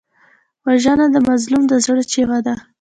وژنه د مظلوم د زړه چیغه ده